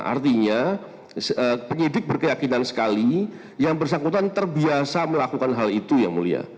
artinya penyidik berkeyakinan sekali yang bersangkutan terbiasa melakukan hal itu yang mulia